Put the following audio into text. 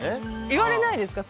言われないですか？